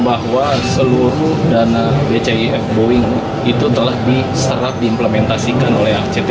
bahwa seluruh dana bcif boeing itu telah diserap diimplementasikan oleh act